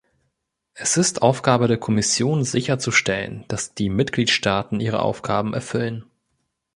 Es ist Aufgabe der Kommission sicherzustellen, dass die Mitgliedstaaten ihre Aufgaben erfüllen.